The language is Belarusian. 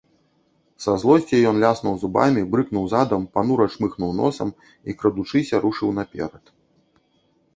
Са злосці ён ляснуў зубамі, брыкнуў задам, панура чмыхнуў носам і, крадучыся, рушыў наперад.